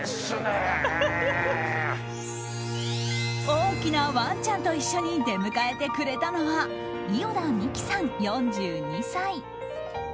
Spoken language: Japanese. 大きなワンちゃんと一緒に出迎えてくれたのは伊與田美貴さん、４２歳。